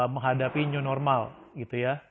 menghadapi new normal gitu ya